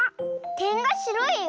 てんがしろいよ！